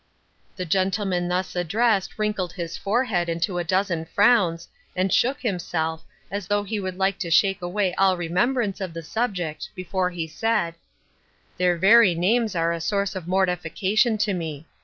" The gentleman thus addressed wrinkled his forehead into a dozen frowns, and shook him self, as though he would like to shake away all remembrance of the subject, before he said :" Their very names are a source of mortifi cation to me.